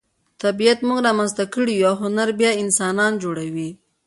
طبیعت موږ را منځته کړي یو او هنر بیا انسانان جوړوي.